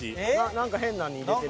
何か変なんに入れてる。